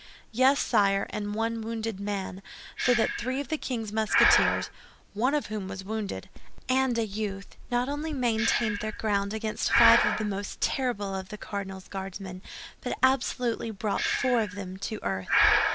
"Yes, sire, and one wounded man; so that three of the king's Musketeers—one of whom was wounded—and a youth not only maintained their ground against five of the most terrible of the cardinal's Guardsmen, but absolutely brought four of them to earth."